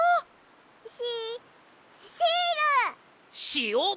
しお！